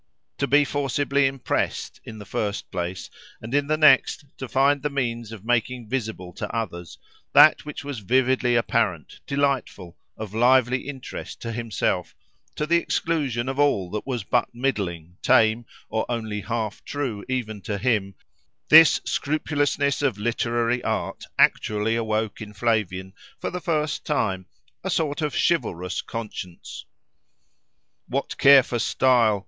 To be forcibly impressed, in the first place; and in the next, to find the means of making visible to others that which was vividly apparent, delightful, of lively interest to himself, to the exclusion of all that was but middling, tame, or only half true even to him—this scrupulousness of literary art actually awoke in Flavian, for the first time, a sort of chivalrous conscience. What care for style!